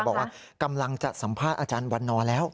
บอกว่ากำลังจะสัมภาษณ์อาจารย์วันนอนแล้ว